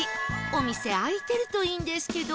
お店開いてるといいんですけど